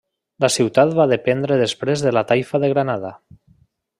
La ciutat va dependre després de la taifa de Granada.